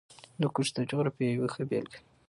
هندوکش د جغرافیې یوه ښه بېلګه ده.